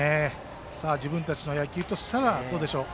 自分たちの野球としたらどうでしょう。